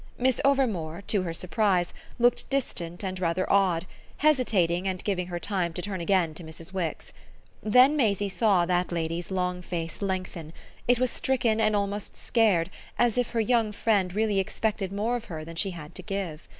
Miss Overmore, to her surprise, looked distant and rather odd, hesitating and giving her time to turn again to Mrs. Wix. Then Maisie saw that lady's long face lengthen; it was stricken and almost scared, as if her young friend really expected more of her than she had to give.